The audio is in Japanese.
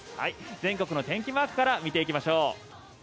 全国の天気マークから見ていきましょう。